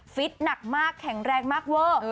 หนักมากแข็งแรงมากเวอร์